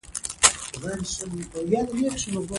غزني د افغانستان د ښکلي طبیعت یوه خورا مهمه برخه ده.